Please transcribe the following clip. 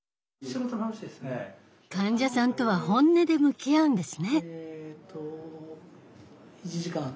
患者さんとは本音で向き合うんですね。